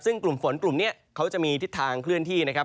ซึ่งกลุ่มฝนกลุ่มนี้เขาจะมีทิศทางเคลื่อนที่นะครับ